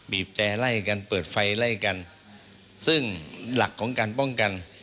แต่ไล่กันเปิดไฟไล่กันซึ่งหลักของการป้องกัน